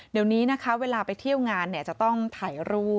เดี๋ยวนี้นะคะเวลาไปเที่ยวงานจะต้องถ่ายรูป